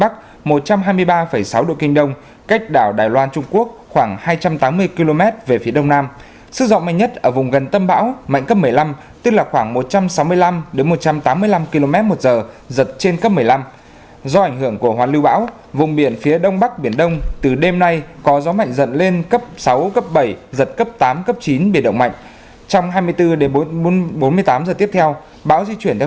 tây tây bắc